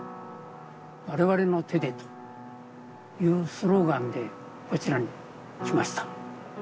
「我々の手で」というスローガンでこちらに来ました